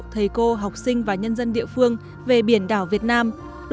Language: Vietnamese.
thầy cô học sinh và nhân dân địa phương về biển đảo việt nam